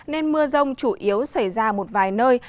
nên mưa rông chủ yếu xảy ra một vài nơi